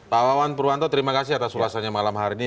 pak wawan purwanto terima kasih atas ulasannya malam hari ini